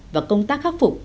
và công tác khắc phục